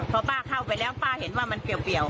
พอป้าเข้าไปแล้วป้าเห็นว่ามันเปรียว